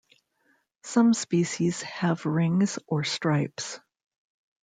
Some species have rings or stripes.